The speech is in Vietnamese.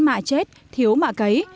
mạng chết thiếu mạng cấy